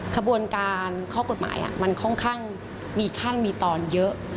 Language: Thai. ขบวนการข้อกฎหมายมันค่อนข้างมีขั้นมีตอนเยอะ